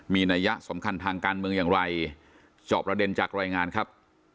มีนัยยะสำคัญทางการเมืองอย่างไรจอบระเด็นจากรายงานครับ